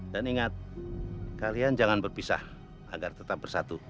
ingat kalian jangan berpisah agar tetap bersatu